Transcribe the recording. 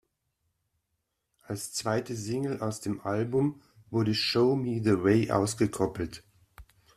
Als zweite Single aus dem Album wurde "Show Me the Way" ausgekoppelt.